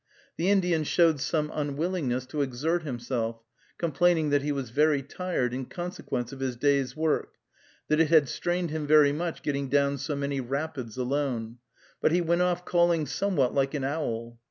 The Indian showed some unwillingness to exert himself, complaining that he was very tired, in consequence of his day's work, that it had strained him very much getting down so many rapids alone; but he went off calling somewhat like an owl.